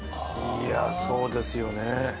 いやそうですよね。